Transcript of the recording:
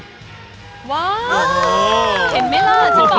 ซุปไก่เมื่อผ่านการต้มก็จะเข้มขึ้น